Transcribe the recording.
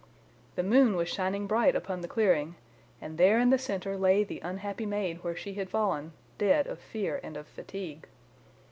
The moon was shining bright upon the clearing, and there in the centre lay the unhappy maid where she had fallen, dead of fear and of fatigue.